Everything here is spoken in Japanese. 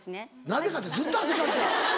「なぜか」ってずっと汗っかきやわ。